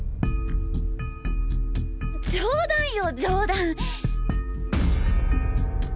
冗談よ冗談！